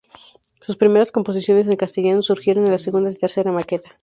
Sus primeras composiciones en castellano surgieron en la segunda y tercera maqueta.